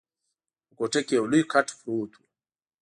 په کوټه کي یو لوی کټ پروت وو.